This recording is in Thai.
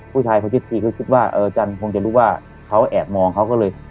ผู้ชายเขาชื่อทีเขาคิดว่าเออจันทร์คงจะรู้ว่าเขาแอบมองเขาก็เลย